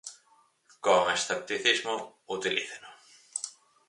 Con escepticismo, utilíceno.